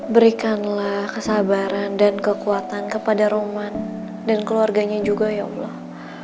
berikanlah kesabaran dan kekuatan kepada roman dan keluarganya juga ya allah